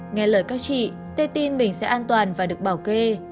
nghe lời các chị tôi tin mình sẽ an toàn và được bảo kê